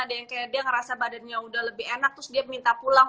ada yang kayak dia ngerasa badannya udah lebih enak terus dia minta pulang